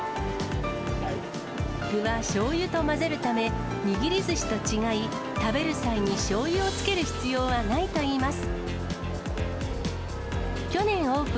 具はしょうゆと混ぜるため、握りずしと違い、食べる際にしょうゆをつける必要はないといいます。